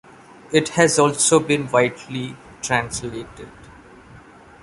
It has also been widely translated.